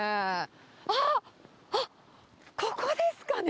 あっ、あっ、ここですかね。